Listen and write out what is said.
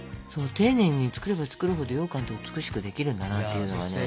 丁寧に作れば作るほどようかんって美しくできるんだなっていうのがね。